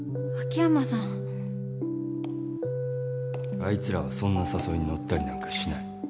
あいつらはそんな誘いに乗ったりなんかしない。